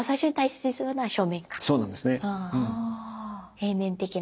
平面的な。